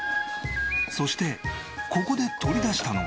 そしてここで取り出したのは。